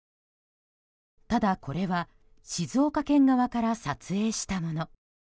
ただ、これは静岡県側から撮影したもの。